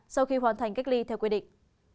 sau khi hoàn thành cách ly theo quy định